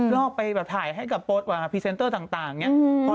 รอบไปถ่ายให้กับโพสต์พรีเซนเตอร์ต่างอย่างนี้